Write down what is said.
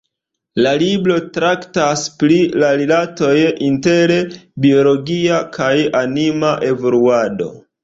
La libro traktas pri la rilatoj inter biologia kaj anima evoluado.